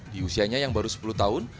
di usianya yang baru sepuluh tahun